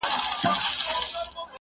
خان هم توره چلول هم توپکونه ,